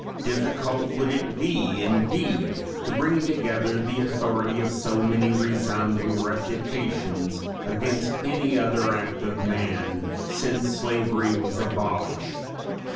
Difficult would it be indeed to bring together the authority of so many resounding reputations against any other act of man, since slavery was abolished.